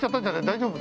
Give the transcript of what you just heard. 大丈夫？